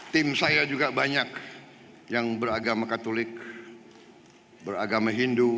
tim saya juga banyak yang beragama katolik beragama hindu